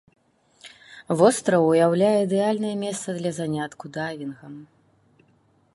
Востраў уяўляе ідэальнае месца для занятку дайвінгам.